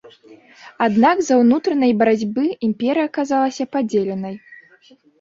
Аднак з-за ўнутранай барацьбы імперыя аказалася падзеленай.